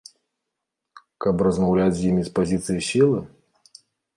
Каб размаўляць з імі з пазіцыі сілы?